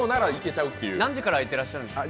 何時から開いてらっしゃるんですか？